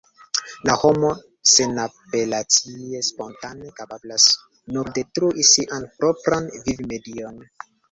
La homo senapelacie, spontane kapablas nur detrui sian propran vivmedion.